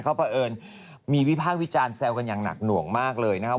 เขาเผอิญมีวิพากษ์วิจารณ์แซวกันอย่างหนักหน่วงมากเลยนะครับ